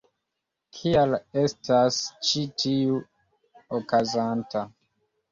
Kial estas ĉi tiu okazanta?